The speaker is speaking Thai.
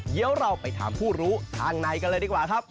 เดี๋ยวเราไปถามผู้รู้ทางในกันเลยดีกว่าครับ